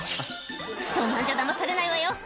「そんなんじゃダマされないわよ」